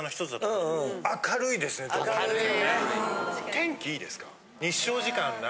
・天気いいですか？